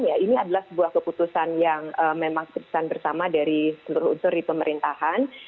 ya ini adalah sebuah keputusan yang memang keputusan bersama dari seluruh unsur di pemerintahan